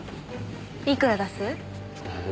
いくら出す？